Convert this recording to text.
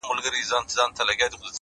o زما پښتون زما ښايسته اولس ته؛